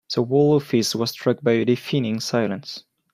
The whole office was struck by a deafening silence.